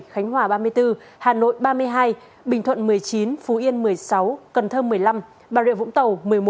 khánh hòa ba mươi bốn hà nội ba mươi hai bình thuận một mươi chín phú yên một mươi sáu cần thơ một mươi năm bà rịa vũng tàu